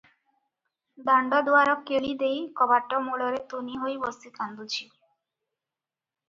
ଦାଣ୍ଡଦୁଆର କିଳି ଦେଇ କବାଟମୂଳରେ ତୁନି ହୋଇ ବସି କାନ୍ଦୁଛି ।